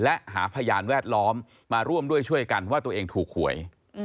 และหาพยานแวดล้อมมาร่วมด้วยช่วยกันว่าตัวเองถูกหวย